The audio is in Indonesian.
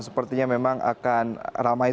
sepertinya memang akan ramai